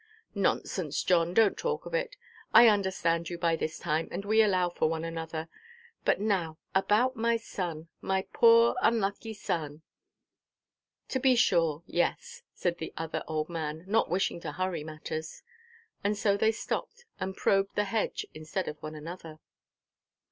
"Nonsense, John; donʼt talk of it. I understand you by this time; and we allow for one another. But now about my son, my poor unlucky boy." "To be sure, yes," said the other old man, not wishing to hurry matters. And so they stopped and probed the hedge instead of one another.